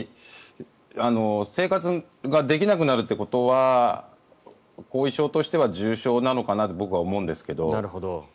生活ができなくなるということは後遺症としては重症なのかなと僕は思うんですけども。